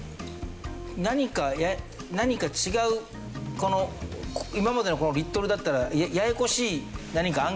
何か何か違うこの今までのこのリットルだったらややこしい何か案件が出てきた。